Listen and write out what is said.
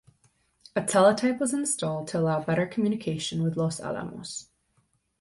A teletype was installed to allow better communication with Los Alamos.